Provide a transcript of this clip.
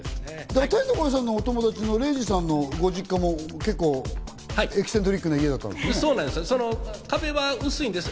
天の声さんのお友達の礼二さんのご実家も、結構エキセントリックな家だったんですね。